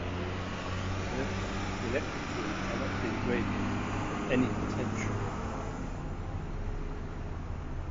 Therefore, the electric field cannot be the gradient of any potential.